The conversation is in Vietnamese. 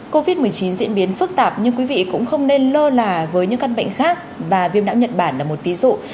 covid một mươi chín diễn biến phức tạp nhưng quý vị cũng không nên lơ là với những căn bệnh khác và viêm não nhật bản là một ví dụ